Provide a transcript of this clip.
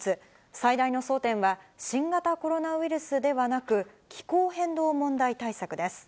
最大の争点は、新型コロナウイルスではなく、気候変動問題対策です。